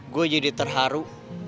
gue jadi terharu